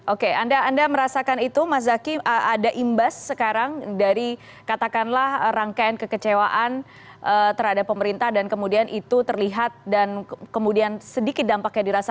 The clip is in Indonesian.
oke anda merasakan itu mas zaky ada imbas sekarang dari katakanlah rangkaian kekecewaan terhadap pemerintah dan kemudian itu terlihat dan kemudian sedikit dampaknya dirasakan